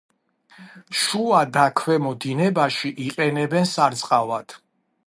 შუა და ქვემო დინებაში იყენებენ სარწყავად.